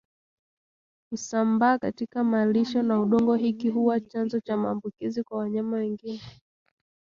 husambaa katika malisho na udongo hiki huwa chanzo cha maambukizi kwa wanyama wengine